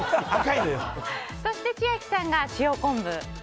そして千秋さんが塩昆布。